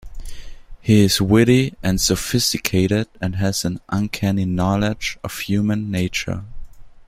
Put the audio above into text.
He is witty and sophisticated and has an uncanny knowledge of human nature.